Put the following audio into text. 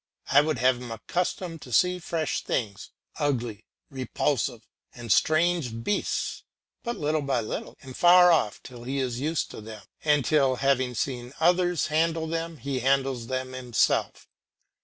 I would have him accustomed to see fresh things, ugly, repulsive, and strange beasts, but little by little, and far off till he is used to them, and till having seen others handle them he handles them himself.